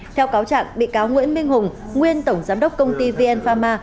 theo cáo trạng bị cáo nguyễn minh hùng nguyên tổng giám đốc công ty vn pharma